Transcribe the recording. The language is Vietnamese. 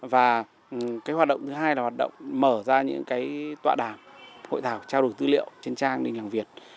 và cái hoạt động thứ hai là hoạt động mở ra những cái tọa đàm hội thảo trao đổi dữ liệu trên trang đình làng việt